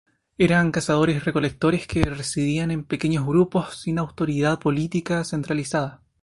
Eran cazadores recolectores que residían en pequeños grupos sin autoridad política centralizada.